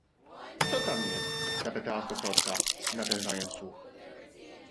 "„Co tam jest?“ zapytała Stokrotka, natężając słuch."